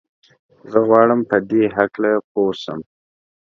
زه غواړم په دي هکله پوه سم.